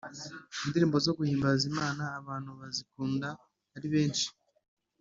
Indirimbo zo guhimbaza imana abantu bazikunda aribenshi